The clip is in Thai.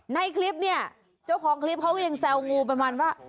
ในคลิปเนี่ยเจ้าของคลิปเขาก็ยังแซวงูประมาณว่า